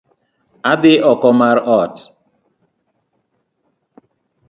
Adhi oko mar ot